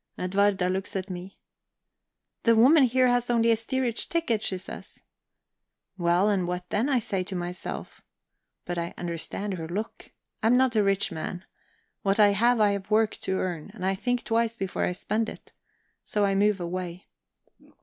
Edwarda looks at me. 'The woman here has only a steerage ticket,' she says. 'Well, and what then?' I say to myself. But I understand her look. I'm not a rich man; what I have I've worked to earn, and I think twice before I spend it; so I move away.